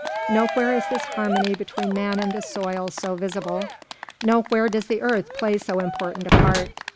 Nowhere is this harmony between man and the soil so visible; nowhere does the earth play so important a part.